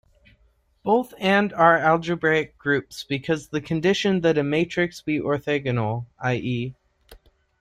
Both and are algebraic groups, because the condition that a matrix be orthogonal, i.e.